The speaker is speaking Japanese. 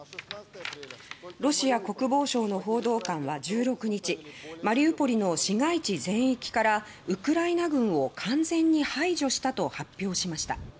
ロシア国防省の報道官は１６日マリウポリの市街地全域からウクライナ軍を完全に排除したと発表しました。